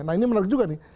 nah ini menarik juga nih